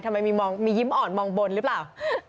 ทำไมมีมองมียิ้มอ่อนมองบนหรือเปล่า